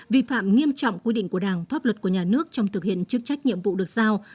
vi phạm nghiêm trọng quy định của đảng pháp luật của nhà nước trong thực hiện chức trách nhiệm vụ được giao